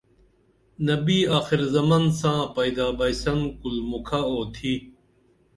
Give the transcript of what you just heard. نبی آخر زمان ساں پیدا بئسن کُل مُکھہ اُوتھی